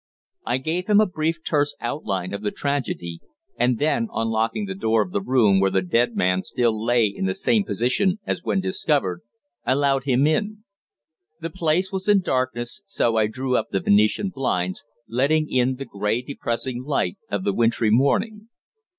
I gave him a brief terse outline of the tragedy, and then, unlocking the door of the room where the dead man still lay in the same position as when discovered, allowed him in. The place was in darkness, so I drew up the Venetian blinds, letting in the grey depressing light of the wintry morning.